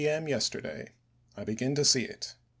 m. yesterday. I begin to see it.